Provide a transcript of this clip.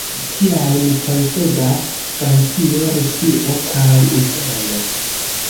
Tiajn posedas Francio, Rusio kaj Usono.